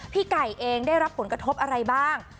พี่ไก่เองได้รับผลกระทบอะไรบ้าง